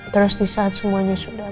terus disaat semuanya sudah